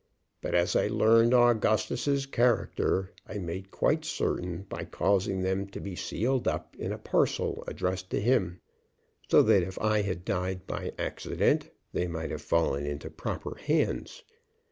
But as I learned Augustus's character, I made quite certain by causing them to be sealed up in a parcel addressed to him, so that if I had died by accident they might have fallen into proper hands.